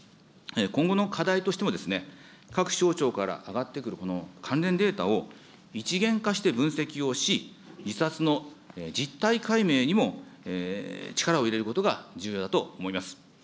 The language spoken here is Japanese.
今後の課題としても、各省庁から上がってくるこの関連データを一元化して分析をし、自殺の実態解明にも力を入れることが重要だと思います。